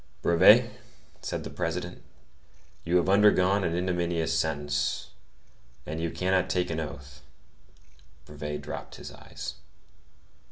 "Brevet," said the President, "you have undergone an ignominious sentence, and you cannot take an oath." Brevet dropped his eyes.